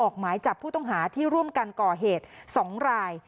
หมายจับผู้ต้องหาที่ร่วมกันก่อเหตุ๒ราย